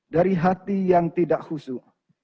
dari hati yang tidak khusyuk